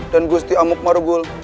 dan gusti amuk marugul